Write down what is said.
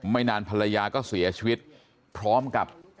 ไม่นานภรรยาก็เสียชีวิตพร้อมกับ